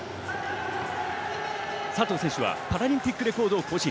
佐藤選手はパラリンピックレコードを更新。